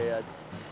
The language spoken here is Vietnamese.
chủ đề này